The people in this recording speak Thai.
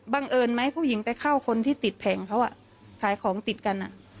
เอิญไหมผู้หญิงไปเข้าคนที่ติดแผงเขาขายของติดกัน